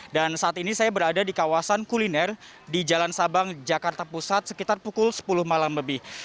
dan saat ini saya berada di kawasan kuliner di jalan sabang jakarta pusat sekitar pukul sepuluh malam lebih